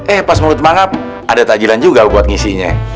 eh pas mulut mangap ada tajilan juga buat ngisinya